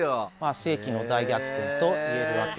世紀の大逆転と言えるわけです。